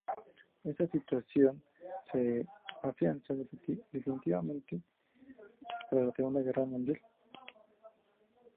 Esta situación se afianza definitivamente tras la segunda guerra mundial.